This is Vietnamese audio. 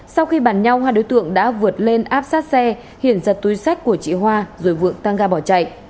sau khi bàn nhau hai đối tượng đã vượt lên áp sát xe hiển giật túi sách của chị hoa rồi vượng tăng ga bỏ chạy